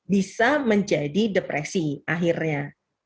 bisa menjadi depresi akhirnya